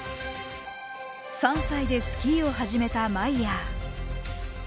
３歳でスキーを始めたマイヤー。